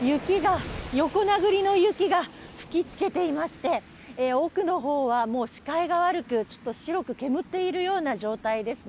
横殴りの雪が吹きつけていまして、奥の方は視界が悪く、白く煙っているような状態ですね。